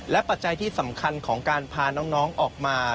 ปัจจัยที่สำคัญของการพาน้องออกมา